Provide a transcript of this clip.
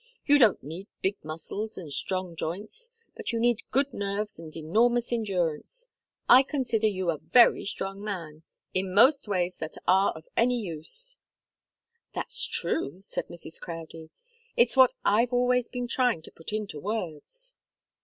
You don't need big muscles and strong joints. But you need good nerves and enormous endurance. I consider you a very strong man in most ways that are of any use." "That's true," said Mrs. Crowdie. "It's what I've always been trying to put into words."